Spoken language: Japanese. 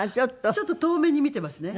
ちょっと遠目に見ていますね。